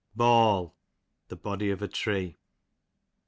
Ball, the body of a tree.